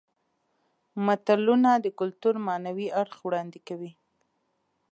متلونه د کولتور معنوي اړخ وړاندې کوي